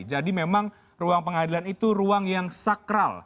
jadi memang ruang pengadilan itu ruang yang sakral